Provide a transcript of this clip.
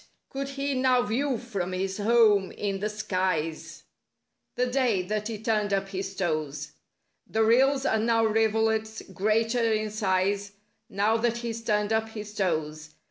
Could he now view from his home in the skies— The day, that he turned up his toes; The rills are now rivulets—greater in size— Now that he's turned up his toes.